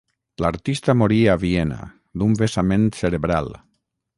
L'artista morí a Viena, d'un vessament cerebral.